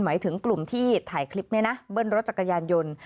หมายถึงกลุ่มที่ถ่ายคลิปนี้นะเบิ้ลรถจักรยานยนต์